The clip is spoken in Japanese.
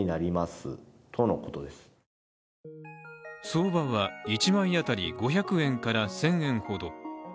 相場は１枚あたり５００円から１０００円ほど。